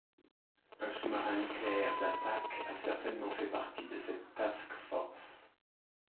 Un sous-marin nucléaire d'attaque a certainement fait partie de cette Task Force.